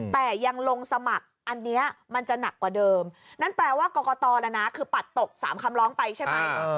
แต่ยังลงสมัครอันนี้มันจะหนักกว่าเดิมนั่นแปลว่ากรกตนะนะคือปัดตก๓คำร้องไปใช่ไหม